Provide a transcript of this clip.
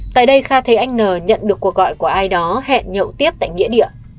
tại đây kha thấy anh n nhận được cuộc gọi của ai đó hẹn nhậu tiếp tại nghĩa địa